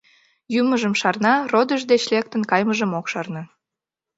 Йӱмыжым шарна, родыж деч лектын кайымыжым ок шарне.